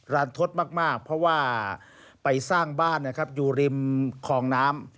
รันทศมากเพราะว่าไปสร้างบ้านนะครับอยู่ริมคลองน้ำ